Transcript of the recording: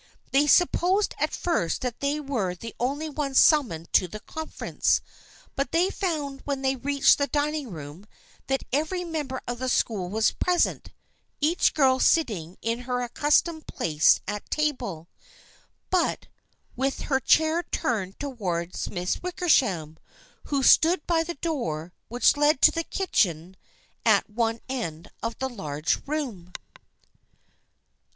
They supposed at first that they were the only ones summoned to the conference, but they found when they reached the dining room that every member of the school was present, each girl sitting in her accustomed place at table, but with her chair turned towards Miss Wickersham, who stood by the door which led into the kitchen at one end of the large room.